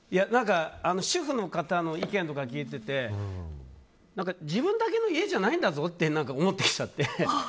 主婦の方の意見とか聞いてて自分だけの家じゃないんだぞって思ってきちゃって。